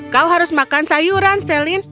kau harus makan sayuran celine